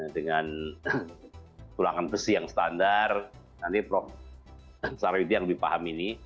dengan tulangan besi yang standar nanti prof sariwidi yang lebih paham ini